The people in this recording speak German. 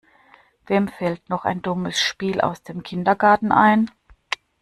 Wem fällt noch ein dummes Spiel aus dem Kindergarten ein?